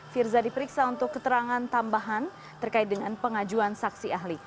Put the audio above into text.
firza diperiksa untuk keterangan tambahan terkait dengan pengajuan saksi ahli